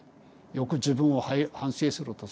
よく自分を反省するとさ。